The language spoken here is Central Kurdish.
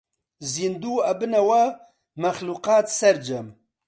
زیندوو ئەبنەوە مەخلووقات سەرجەم